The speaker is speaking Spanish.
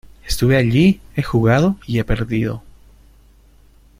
¡ estuve allí, he jugado y he perdido!